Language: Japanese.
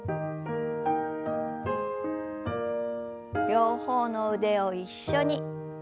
両方の腕を一緒に。